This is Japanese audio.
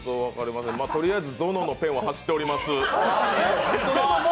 ま、とりあえずゾノのペンは走っております。